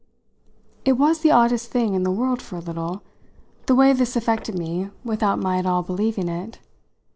It was the oddest thing in the world for a little, the way this affected me without my at all believing it.